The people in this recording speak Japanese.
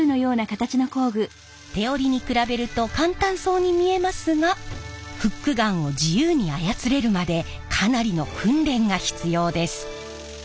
手織りに比べると簡単そうに見えますがフックガンを自由に操れるまでかなりの訓練が必要です。